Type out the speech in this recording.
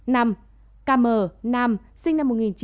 năm k m nam sinh năm một nghìn chín trăm chín mươi một địa chỉ quảng an tây hồ